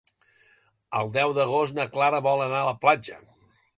El deu d'agost na Clara vol anar a la platja.